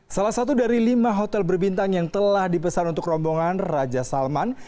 salah satu dari lima hotel berbintang yang telah dipesan untuk rombongan raja salman